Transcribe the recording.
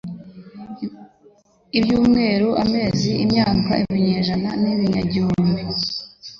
ibyumweru, amezi, imyaka, ibinyejana n'ibinyagihumbi